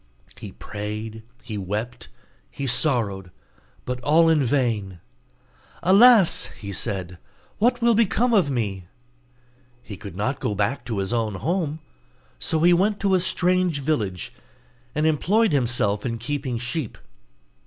He prayed, he wept, he sorrowed, but all in vain. 'Alas!' he said, 'what will become of me?' He could not go back to his own home, so he went to a strange village, and employed himself in keeping sheep.